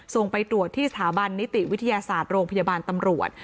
ไปตรวจที่สถาบันนิติวิทยาศาสตร์โรงพยาบาลตำรวจ